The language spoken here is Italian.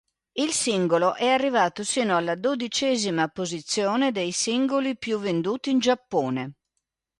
Il singolo è arrivato sino alla dodicesima posizione dei singoli più venduti in Giappone.